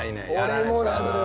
俺もなのよ。